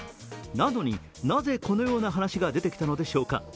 なのに、なぜこのような話が出てきたのでしょうか？